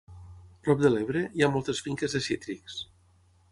Prop de l'Ebre, hi ha moltes finques de cítrics.